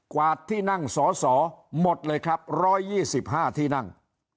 กวาดที่นั่งสอสอหมดเลยครับร้อยยี่สิบห้าที่นั่ง